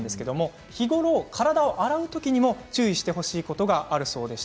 日頃、体を洗うときにも注意してほしいことがあるそうです。